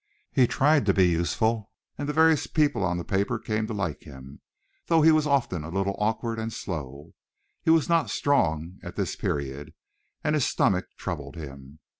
He tried to be useful and the various people on the paper came to like him, though he was often a little awkward and slow. He was not strong at this period and his stomach troubled him.